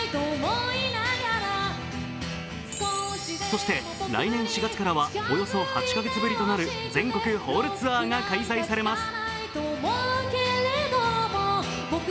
そして、来年４月からはおよそ８か月ぶりとなる全国ホールツアーが開催されます。